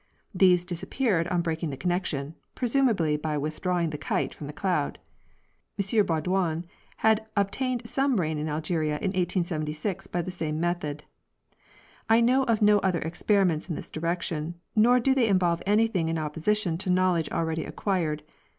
These disappeared on breaking the connection, presumably by withdrawing the kite from the cloud. M Baudouin had obtained some rain in Algeria in 1876 by the same method. I know of no other experiments in this direction, nor do they involve anything in opposition to knowledge already aequired.